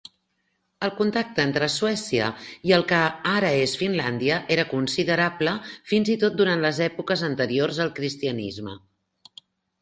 El contacte entre Suècia i el que ara és Finlàndia era considerable fins i tot durant les èpoques anteriors al Cristianisme.